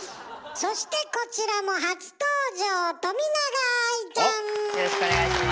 そしてよろしくお願いします。